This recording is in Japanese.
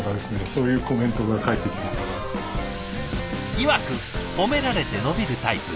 いわく褒められて伸びるタイプ。